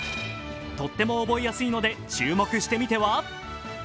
とっても覚えやすいので注目してみては？